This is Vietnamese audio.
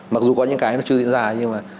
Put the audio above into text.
mặc dù có những cái mà chưa diễn ra nhưng mà